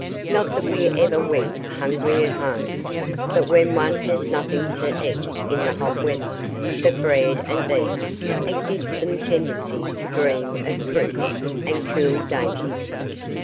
Not that we ever went hungry at home, but when one has nothing to eat in the hot weather but bread and beef it gives them tendency to dream of fruit and cool dainties.